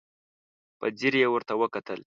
په ځير يې ورته وکتل.